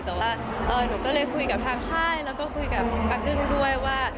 แต่ว่าหนูก็เลยคุยกับทางค่ายแล้วก็คุยกับป้ากึ้งด้วยว่า